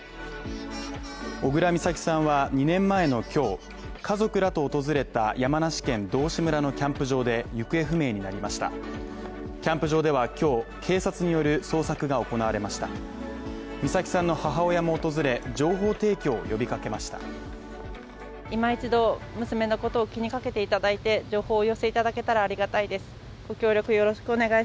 小倉美咲さんは２年前の今日家族らと訪れた山梨県道志村のキャンプ場で行方不明になりましたキャンプ場では今日警察による捜索が行われました美咲さんの母親も訪れ情報提供を呼びかけました